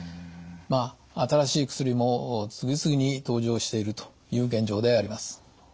まあ新しい薬も次々に登場しているという現状であります。